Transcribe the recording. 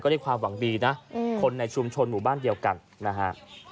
ด้วยความหวังดีนะคนในชุมชนหมู่บ้านเดียวกันนะฮะ